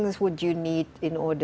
untuk memperbolehkan anda